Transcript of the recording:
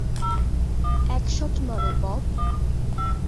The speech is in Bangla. এক শট মারো, বব।